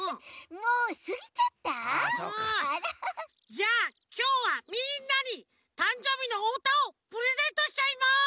じゃあきょうはみんなにたんじょうびのおうたをプレゼントしちゃいます！